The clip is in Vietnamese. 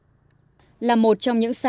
đó là một trong những tuyến đề này